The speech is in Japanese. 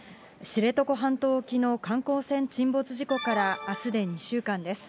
知床半島沖の観光船沈没事故から、あすで２週間です。